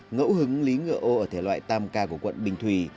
ngẫu hứng lý ngựa ô ở thể loại tam ca của quận bình thủy